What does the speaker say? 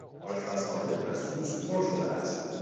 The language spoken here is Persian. آشپزخانه از سوسک پر شده است.